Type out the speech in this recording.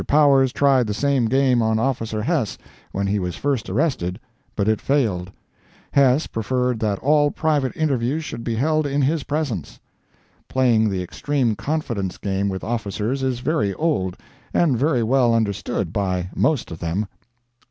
Powers tried the same game on officer Hesse, when he was first arrested, but it failed; Hesse preferred that all private interviews should be held in his presence. Playing the extreme confidence game with officers is very old, and very well understood by most of them.